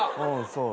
そう。